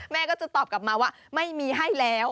แม่ก็จะตอบกลับมาว่าไม่มีให้แล้ว